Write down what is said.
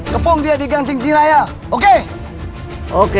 kepung dia di gangcing cintayak okay